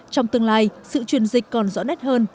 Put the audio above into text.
trong tương lai sự truyền dịch còn rõ nét hơn